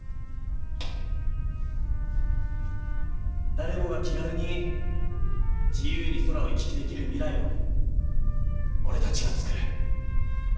誰もが気軽に自由に空を行き来できる未来を俺たちが作る。